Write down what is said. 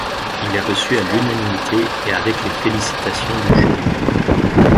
Il est reçu à l'unanimité et avec les félicitations du jury.